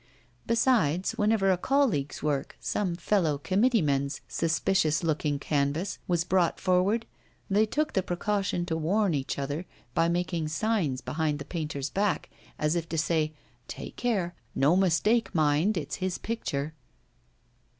Besides, whenever a colleague's work, some fellow committee man's suspicious looking canvas, was brought forward, they took the precaution to warn each other by making signs behind the painter's back, as if to say, 'Take care, no mistake, mind; it's his picture.